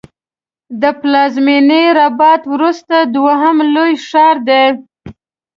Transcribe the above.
د پلازمېنې رباط وروسته دویم لوی ښار دی.